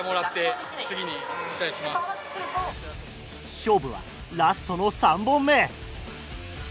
勝負はラストの３本目！